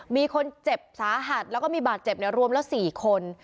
มีคนเจ็บสาหัสแล้วก็มีบาดเจ็บรวมแล้ว๔คน